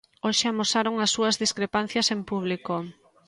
Hoxe amosaron as súas discrepancias en público.